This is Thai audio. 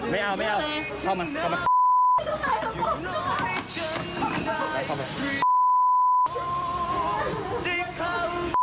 ไม่เอาไม่เอา